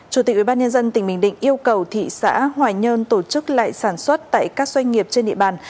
chủ tịch ubnd tỉnh bình định yêu cầu thị xã hoài nhơn tổ chức lại sản xuất tại các doanh nghiệp trên địa bàn